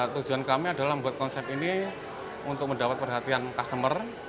tujuan kami adalah membuat konsep ini untuk mendapat perhatian customer